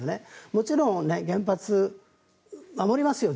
もちろん原発守りますよ